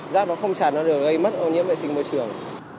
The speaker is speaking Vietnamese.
rác nó không chẳng được gây mất ô nhiễm vệ sinh môi trường